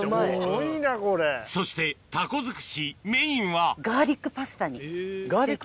そしてタコ尽くしメインはガーリックパスタ。